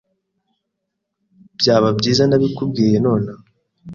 Byaba byiza ntabikubwiye nonaha.